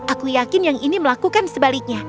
aku yakin yang ini melakukan sebaliknya